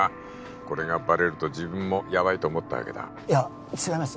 これがバレると自分もヤバいと思ったわけだいや違います